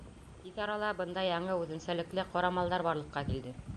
Тиҙ арала бында яңы үҙенсәлекле ҡорамалдар барлыҡҡа килде.